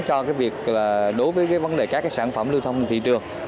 đối với các sản phẩm lưu thông thị trường